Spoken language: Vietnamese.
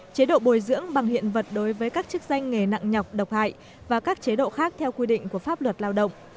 chế độ bồi dưỡng bằng hiện vật đối với các chức danh nghề nặng nhọc độc hại và các chế độ khác theo quy định của pháp luật lao động